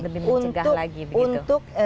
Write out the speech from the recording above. lebih mencegah lagi begitu